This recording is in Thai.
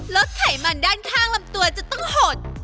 ไขมันด้านข้างลำตัวจะต้องหด